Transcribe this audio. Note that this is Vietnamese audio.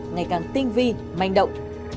ngày càng tinh vi manh động